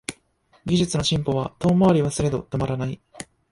技術の進歩は遠回りはすれど止まらない